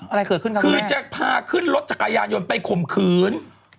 อะไรเกิดขึ้นครับคือจะพาขึ้นรถจักรยานยนต์ไปข่มขืน